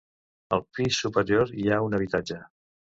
Al pis superior hi ha un habitatge.